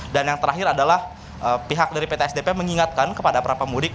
dan yang terakhir adalah pihak dari pt sdp mengingatkan kepada para pemudik